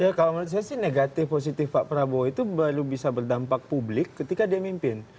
ya kalau menurut saya sih negatif positif pak prabowo itu baru bisa berdampak publik ketika dia mimpin